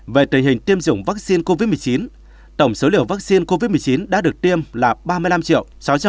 về tình hình tiêm dùng vaccine covid một mươi chín tổng số liều vaccine covid một mươi chín đã được tiêm là ba mươi năm sáu trăm bảy mươi năm tám trăm bốn mươi liều